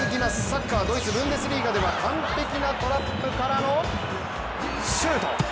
サッカー、ドイツ・ブンデスリーガでは完璧なトラップからのシュート。